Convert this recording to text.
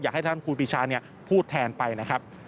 ให้ท่านครูปีชาพูดแทนไปนะครับ